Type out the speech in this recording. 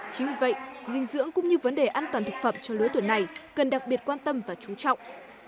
chính vì vậy dinh dưỡng cũng như vấn đề an toàn thực phẩm cho lứa tuổi này cần đặc biệt quan tâm và chú trọng